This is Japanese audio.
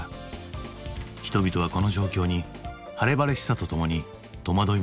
人々はこの状況に晴れ晴れしさとともに戸惑いも感じていた。